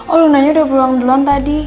oh luna udah pulang duluan tadi